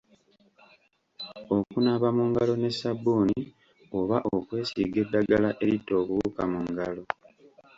Okunaaba mu ngalo ne ssabbuuni oba kwesiiga eddagala eritta obuwuka mu ngalo.